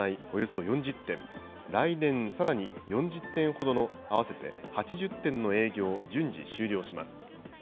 およそ４０店、来年さらに４０店ほどの、合わせて８０店の営業を順次終了します。